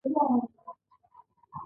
دوه اویایم سوال د بشري منابعو په اړه دی.